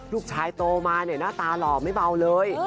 โตมาเนี่ยหน้าตาหล่อไม่เบาเลย